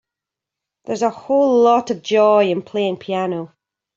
There is a whole lot of joy in playing piano.